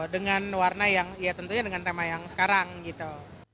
dengan warna yang ya tentunya dengan tema yang sekarang gitu